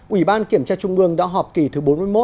ủy ban kiểm tra trung ương đã họp kỳ thứ bốn mươi một